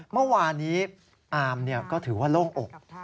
เมื่อวานนี้อาร์มก็ถือว่าโล่งอก